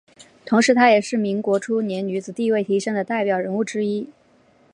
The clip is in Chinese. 同时她也是民国初年女子地位提升的代表人物之一。